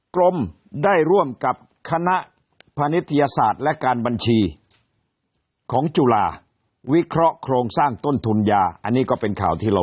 กรมได้ร่วมกับคณะพนิทยาศาสตร์และการบัญชีของจุฬาวิเคราะห์โครงสร้างต้นทุนยา